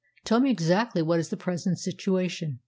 Tell me exactly what is the present situation."